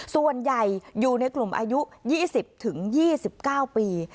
ส่วนใหญ่อยู่ในกลุ่มอายุ๒๐๒๙ปี